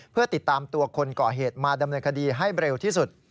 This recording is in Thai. เพื่อติดตามตัวคนก่อเหตุมาดำเนินคดีให้เร็วที่สุด